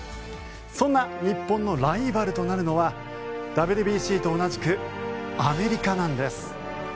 そんな日本のライバルとなるのはＷＢＣと同じくアメリカなんです。